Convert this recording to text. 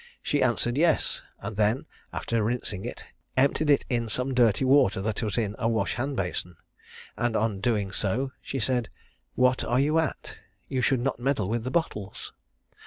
She answered "Yes." He then, after rinsing it, emptied it in some dirty water that was in a wash hand basin; and on his doing so she said, "What are you at? you should not meddle with the bottles."